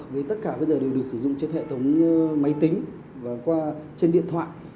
với tất cả bây giờ đều được sử dụng trên hệ thống máy tính và trên điện thoại